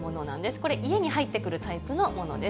これ、家に入ってくるタイプのものです。